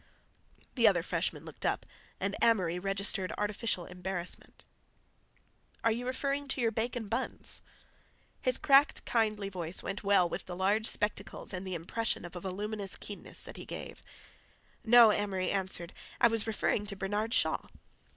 The other freshman looked up and Amory registered artificial embarrassment. "Are you referring to your bacon buns?" His cracked, kindly voice went well with the large spectacles and the impression of a voluminous keenness that he gave. "No," Amory answered. "I was referring to Bernard Shaw."